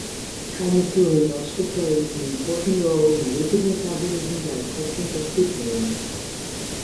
Calmodulin also plays an important role in lipid metabolism by affecting Calcitonin.